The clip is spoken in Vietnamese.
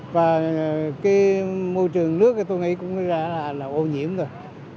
và cái môi trường nước tôi nghĩ cũng là ô nhiễm rồi